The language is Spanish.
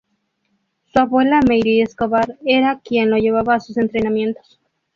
Su abuela Mery Escobar era quien lo llevaba a sus entrenamientos.